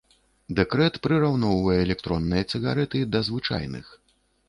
Дэкрэт прыраўноўвае электронныя цыгарэты да звычайных.